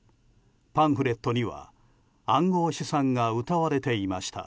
パンフレットには暗号資産がうたわれていました。